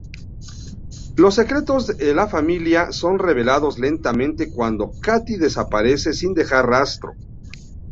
Los secretos de la familia son revelados lentamente cuando Katie desaparece sin dejar rastro.